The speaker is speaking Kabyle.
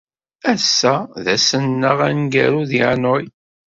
Ass-a d ass-nneɣ aneggaru deg Hanoi.